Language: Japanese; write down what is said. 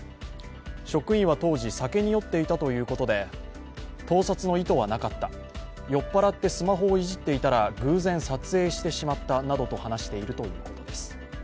職員は当時酒に酔っていたということで盗撮の意図はなかった、酔っ払ってスマホをいじっていたら偶然撮影してしまったなどと話しているということです。